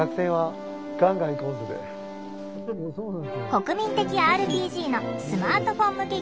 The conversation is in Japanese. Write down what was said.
国民的ＲＰＧのスマートフォン向け